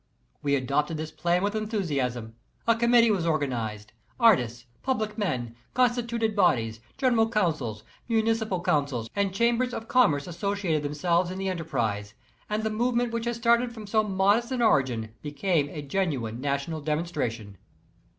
We adopted this plan with enthusiasm. A committee was organized. Artists, public men, constituted bodies, general councils, municipal coun cils and chambers of commerce associated themselves in the enterprise, and the movement which had started from so modest an origin became a genuine national demonstration.